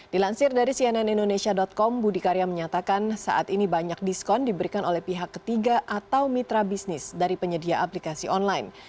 dilansir dari cnn indonesia com budi karya menyatakan saat ini banyak diskon diberikan oleh pihak ketiga atau mitra bisnis dari penyedia aplikasi online